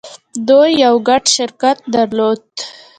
دوی يو ګډ شرکت درلود.